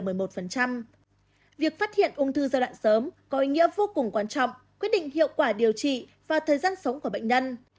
việc phát hiện ung thư giai đoạn sớm có ý nghĩa vô cùng quan trọng quyết định hiệu quả điều trị và thời gian sống của bệnh nhân